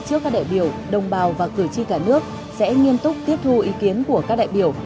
trước các đại biểu đồng bào và cử tri cả nước sẽ nghiêm túc tiếp thu ý kiến của các đại biểu